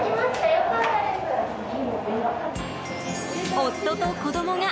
夫と子供が！